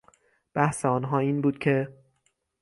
بحث آنها این بود که...